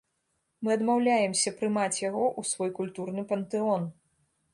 Мы адмаўляемся прымаць яго ў свой культурны пантэон!